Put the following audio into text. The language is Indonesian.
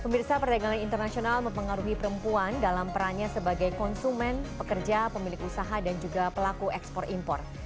pemirsa perdagangan internasional mempengaruhi perempuan dalam perannya sebagai konsumen pekerja pemilik usaha dan juga pelaku ekspor impor